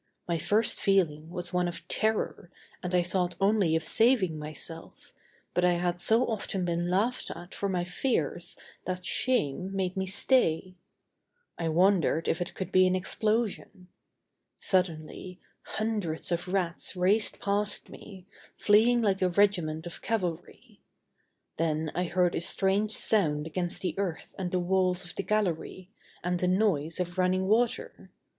My first feeling was one of terror and I thought only of saving myself, but I had so often been laughed at for my fears that shame made me stay. I wondered if it could be an explosion. Suddenly, hundreds of rats raced past me, fleeing like a regiment of cavalry. Then I heard a strange sound against the earth and the walls of the gallery, and the noise of running water.